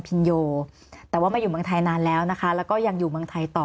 พินโยแต่ว่ามาอยู่บังไทยนานแล้วนะคะแล้วก็ยังอยู่บังไทย